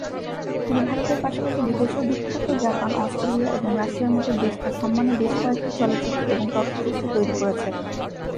তিনি ভারতের পাশাপাশি বিদেশেও বিখ্যাত; জাপান, অস্ট্রেলিয়া এবং রাশিয়ার মতো দেশ তাঁর সম্মানে বেশ কয়েকটি চলচ্চিত্র এবং তথ্যচিত্র তৈরি করেছে।